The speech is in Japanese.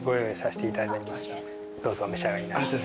どうぞお召し上がりに。